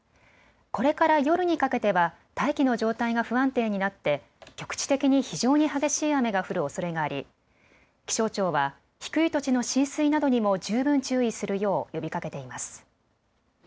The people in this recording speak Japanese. これから夜にかけては大気の状態が不安定になって局地的に非常に激しい雨が降るおそれがあり気象庁は低い土地の浸水などにも十分注意するよう呼びかけています。